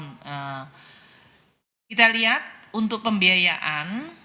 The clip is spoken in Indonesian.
dan kita lihat untuk pembiayaan